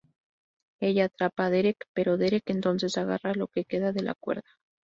Ella atrapa a Derek, pero Derek entonces agarra lo que queda de la cuerda.